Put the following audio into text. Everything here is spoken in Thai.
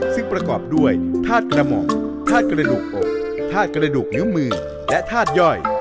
ซึ่งประกอบด้วยธาตุกระหม่องธาตุกระดูกอกธาตุกระดูกนิ้วมือและธาตุย่อย